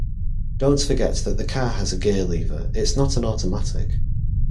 Don't forget that the car has a gear lever; it's not an automatic